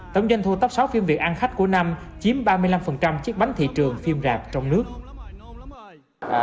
tổng doanh thu tấp sáu phim việt ăn khách của năm chiếm ba mươi năm chiếc bánh thị trường phim rạp trong nước